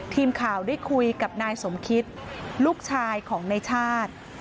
ทีมข่าวได้คุยกับนายสมคิตลูกชายของในชาติ